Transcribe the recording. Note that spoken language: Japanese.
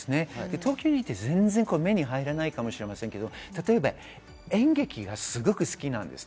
東京にいて目に入らないかもしれませんけど、例えば演劇がすごく好きなんです。